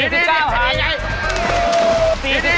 ๔๙หาร